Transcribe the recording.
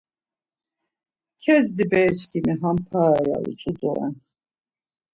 Kezdi bereçkimi ham para ya utzu doren.